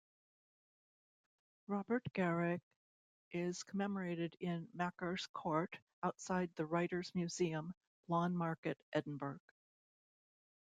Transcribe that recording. Robert Garioch is commemorated in Makars' Court, outside The Writers' Museum, Lawnmarket, Edinburgh.